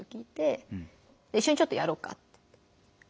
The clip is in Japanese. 「一緒にちょっとやろうか」って。